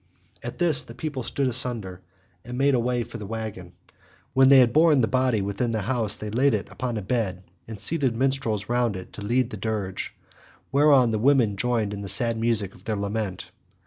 On this the people stood asunder, and made a way for the waggon. When they had borne the body within the house they laid it upon a bed and seated minstrels round it to lead the dirge, whereon the women joined in the sad music of their lament.